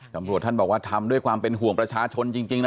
ตำรวจท่านบอกว่าทำด้วยความเป็นห่วงประชาชนจริงนะ